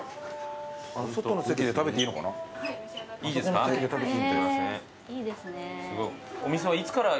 いいですか？